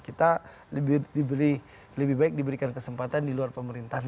kita lebih baik diberikan kesempatan di luar pemerintahan